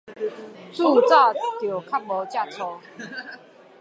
自早就較無接觸